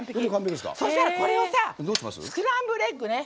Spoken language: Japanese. そしたらこれをスクランブルエッグね。